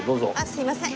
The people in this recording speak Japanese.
すいません。